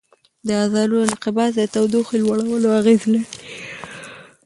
د عضلو انقباض د تودوخې لوړولو اغېز لري.